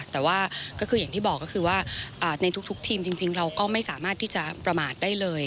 แต่ว่าก็คืออย่างที่บอกก็คือว่าในทุกทีมจริงเราก็ไม่สามารถที่จะประมาทได้เลย